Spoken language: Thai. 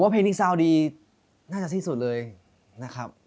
ผมว่าเพลงนิกซาวดีน่าจะที่สุดเลยนะครับ